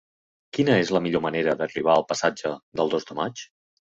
Quina és la millor manera d'arribar al passatge del Dos de Maig?